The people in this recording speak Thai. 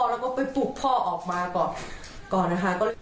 แล้วก็ไปปลุกพ่อออกมาก่อนนะคะ